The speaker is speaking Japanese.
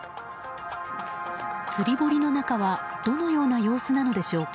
釣り堀の中はどのような様子なのでしょうか。